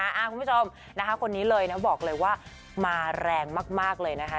คุณผู้ชมนะคะคนนี้เลยนะบอกเลยว่ามาแรงมากเลยนะคะ